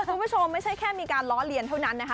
คุณผู้ชมไม่ใช่แค่มีการล้อเลียนเท่านั้นนะคะ